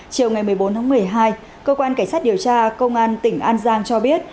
chiều ngày một mươi bốn tháng một mươi hai cơ quan cảnh sát điều tra công an tỉnh an giang cho biết